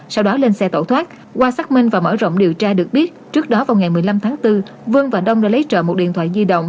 sau đó lên xe tẩu thoát qua xác minh và mở rộng điều tra được biết trước đó vào ngày một mươi năm tháng bốn vương và đông đã lấy trợ một điện thoại di động